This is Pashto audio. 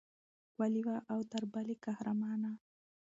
ښکلې وه او تر بلې قهرمانه.